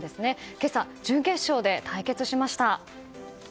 今朝、準決勝で対決しました。